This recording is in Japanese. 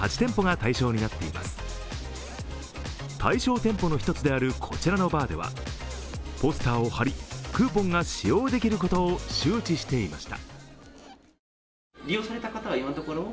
対象店舗の１つであるこちらのバーではポスターを貼り、クーポンが使用できることを周知していました。